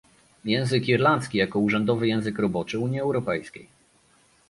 Język irlandzki jako urzędowy język roboczy Unii Europejskiej